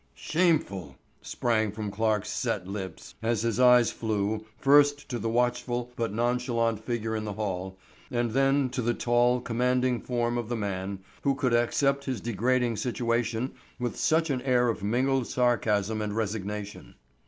"Shameful!" sprang from Clarke's set lips, as his eyes flew first to the watchful but nonchalant figure in the hall, and then to the tall, commanding form of the man who could accept his degrading situation with such an air of mingled sarcasm and resignation.